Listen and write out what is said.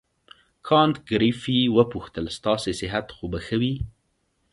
کانت ګریفي وپوښتل ستاسې صحت خو به ښه وي.